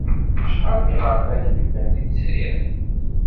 Acḥal n yiɣerfan i yellan di Lezzayer?